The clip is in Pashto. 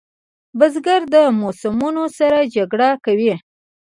بزګر د موسمو سره جګړه کوي